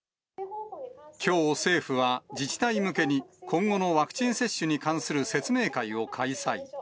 きょう、政府は自治体向けに今後のワクチン接種に関する説明会を開催。